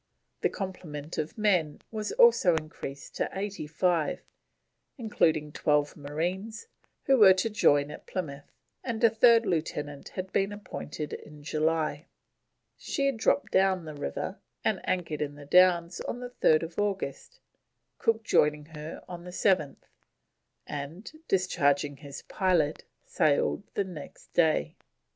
The complement of men was also increased to 85, including 12 marines who were to join at Plymouth, and a third Lieutenant had been appointed in July. She had dropped down the river and anchored in the Downs on 3rd August, Cook joining her on the 7th and, discharging his pilot, sailed the next day.